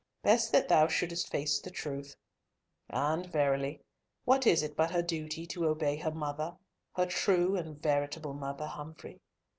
Best that thou shouldest face the truth. And, verily, what is it but her duty to obey her mother, her true and veritable mother, Humfrey?